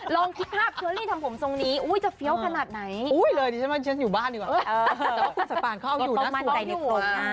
ลองคิดภาพขออภัยคุณผู้ชม